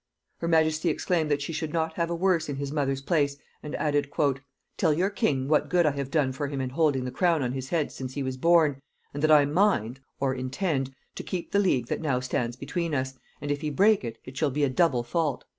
Her majesty exclaimed, that she should not have a worse in his mother's place, and added; "Tell your king what good I have done for him in holding the crown on his head since he was born, and that I mind (intend) to keep the league that now stands between us, and if he break it, it shall be a double fault."